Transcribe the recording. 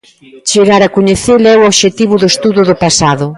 Chegar a coñecela é o obxectivo do estudo do pasado.